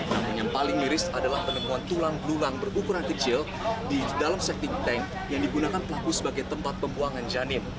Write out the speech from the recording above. namun yang paling miris adalah penemuan tulang belulang berukuran kecil di dalam septic tank yang digunakan pungku sebagai tempat pembuangan janin